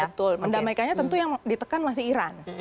betul mendamaikannya tentu yang ditekan masih iran